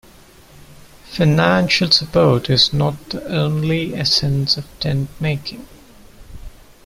Financial support is not the only essence of tentmaking.